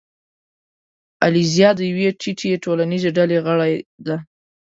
الیزا د یوې ټیټې ټولنیزې ډلې غړې ده.